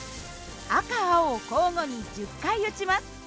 赤青交互に１０回撃ちます。